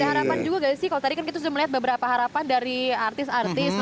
ada harapan juga gak sih kalau tadi kan kita sudah melihat beberapa harapan dari artis artis